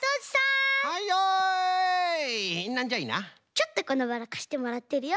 ちょっとこのバラかしてもらってるよ。